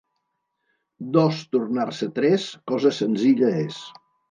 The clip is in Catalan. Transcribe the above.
Dos tornar-se tres, cosa senzilla és.